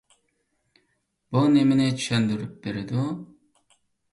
بۇ نېمىنى چۈشەندۈرۈپ بېرىدۇ؟